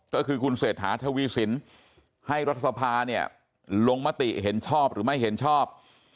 ก็คือคุณเศรษฐาทวีสินให้รัฐสภาเนี่ยลงมติเห็นชอบหรือไม่เห็นชอบ